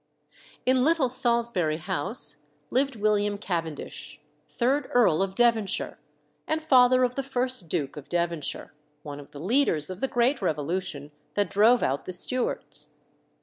In Little Salisbury House lived William Cavendish, third Earl of Devonshire, and father of the first Duke of Devonshire, one of the leaders of the great revolution that drove out the Stuarts.